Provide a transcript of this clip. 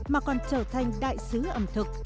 mà còn trở thành đại sứ ẩm thực